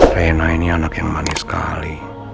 fena ini anak yang manis sekali